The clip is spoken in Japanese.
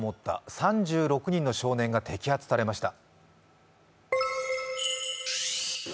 ３６人の少年が摘発されました。